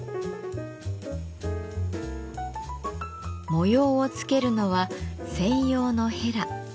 模様をつけるのは専用のへら。